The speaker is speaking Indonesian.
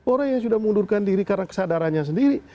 orang yang sudah mengundurkan diri karena kesadarannya sendiri